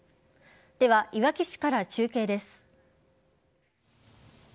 では、いわき市から中継です。